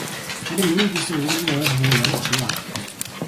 Харин миний хийсэн үүрний ойр хавиар ямарч шувуу алга байлаа.